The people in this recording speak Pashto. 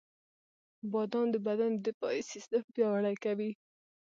• بادام د بدن د دفاعي سیستم پیاوړی کوي.